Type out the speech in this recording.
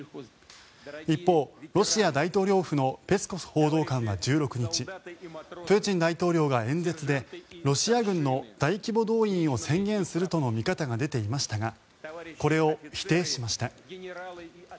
一方、ロシア大統領府のペスコフ報道官は１６日プーチン大統領が演説でロシア軍の大規模動員を宣言するとの見方が出ていましたがこれを否定しました。